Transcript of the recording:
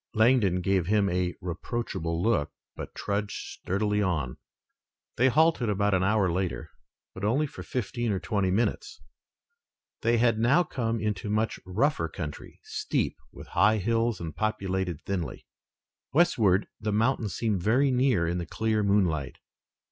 Langdon gave him a reproachful look, but trudged sturdily on. They halted about an hour later, but only for fifteen or twenty minutes. They had now come into much rougher country, steep, with high hills and populated thinly. Westward, the mountains seemed very near in the clear moonlight.